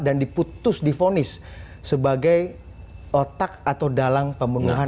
dan diputus difonis sebagai otak atau dalang pemenuhan